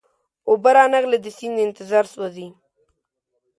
اوبه را نغلې د سیند انتظار سوزی